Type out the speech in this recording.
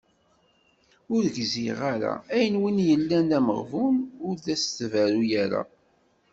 Ur gziɣ ara! Ayen win yellan d ameɣbun, ur d as-tberru ara.